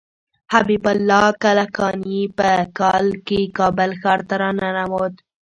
حبیب الله کلکاني په کال کې کابل ښار ته راننوت.